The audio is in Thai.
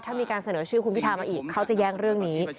ถ้ามีการเสนอชื่อคุณพิทามาอีกเขาจะแย้งเรื่องนี้